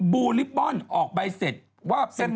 บูลิปบอลออกใบเสร็จว่าเป็น